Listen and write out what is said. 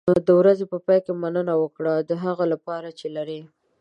د ورځې په پای کې مننه وکړه د هغه څه لپاره چې لرې.